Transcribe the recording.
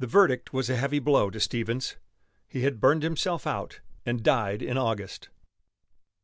The verdict was a heavy blow to Stevens. He had burned himself out and died in August.